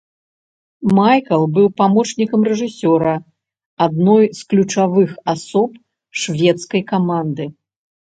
Майкл быў памочнікам рэжысёра, адной з ключавых асоб шведскай каманды.